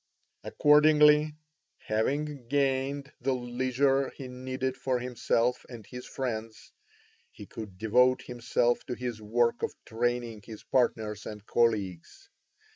Accordingly, having gained the leisure he needed for himself and his friends, he could devote himself to his work of training his partners and colleagues.